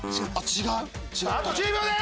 あと１０秒です。